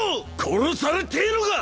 殺されてぇのか！